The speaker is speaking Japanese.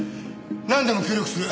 なんでも協力する。